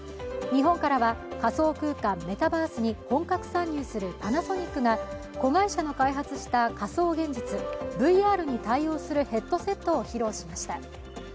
日本からは、仮想空間、メタバースに本格参入するパナソニックが子会社の開発した仮想現実＝ＶＲに対応するヘッドセットを披露しました。